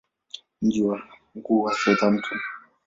Mji wake mkuu ni Southampton.